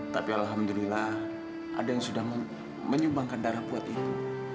tapi alhamdulillah ada yang sudah menyumbangkan darah buat itu